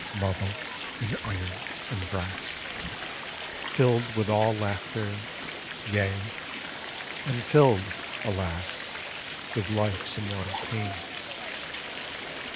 Marble and iron and brass, Filled with all laughter; yea, and filled, alas. With life's immortal pain.